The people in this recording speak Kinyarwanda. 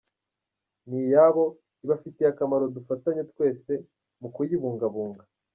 Ni iyabo, ibafitiye akamaro dufatanye twese mu kuyibungabunga.